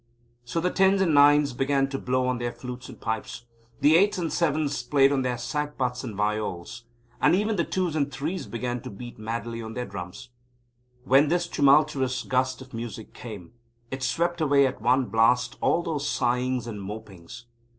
So the Tens and Nines began to blow on their flutes and pipes; the Eights and Sevens played on their sackbuts and viols; and even the Twos and Threes began to beat madly on their drums. When this tumultous gust of music came, it swept away at one blast all those sighings and mopings.